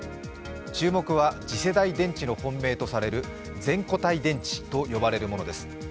注目は次世代電池の本命とされる全固体電池と呼ばれるものです。